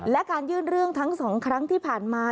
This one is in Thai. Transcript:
และการยื่นเรื่องทั้ง๒ครั้งที่ผ่านมา